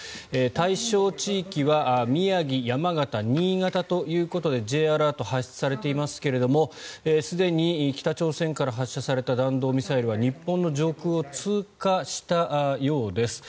対象地域は宮城、山形、新潟ということでＪアラート、発出されていますがすでに北朝鮮から発射された弾道ミサイルは日本の上空を通過したようです。